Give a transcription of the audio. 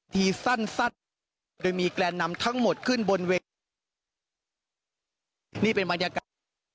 สั้นสั้นโดยมีแกนนำทั้งหมดขึ้นบนเวทีนี่เป็นบรรยากาศ